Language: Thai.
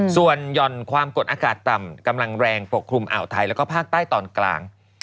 ส่วนหย่อนความกดอากาศต่ำกำลังแรงปกคลุมอ่าวไทยแล้วก็ภาคใต้ตอนกลาง